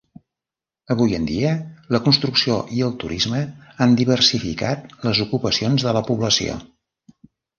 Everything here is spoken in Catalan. Avui en dia la construcció i el turisme han diversificat les ocupacions de la població.